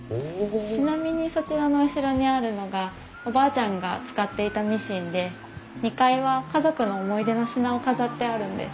ちなみにそちらの後ろにあるのがおばあちゃんが使っていたミシンで２階は家族の思い出の品を飾ってあるんです。